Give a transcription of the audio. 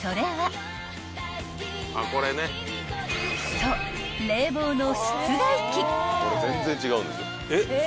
［そう冷房の］